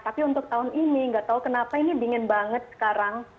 tapi untuk tahun ini nggak tahu kenapa ini dingin banget sekarang